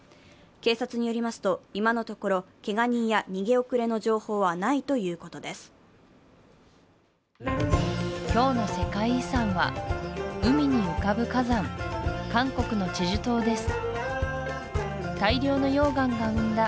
警察によりますと、今のところけが人や逃げ遅れの情報はないということです。